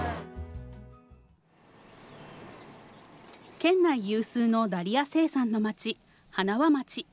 県内有数のダリア生産の町、塙町。